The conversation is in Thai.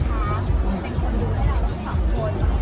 จะเป็นความรู้ที่เราต้องสอบโทษ